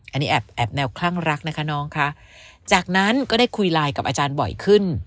อันนี้แอบแอบแนวคลั่งรักนะคะน้องคะจากนั้นก็ได้คุยไลน์กับอาจารย์บ่อยขึ้น